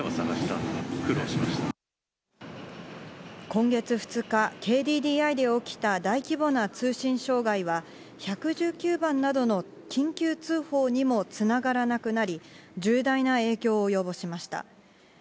今月２日、ＫＤＤＩで起きた大規模な通信障害は、１１９番などの緊急通報にも繋がらなくなり、重大な影響をおよぼしました。